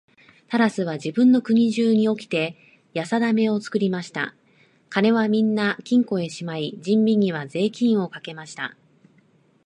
タラスは自分の国中におきてやさだめを作りました。金はみんな金庫へしまい、人民には税金をかけました。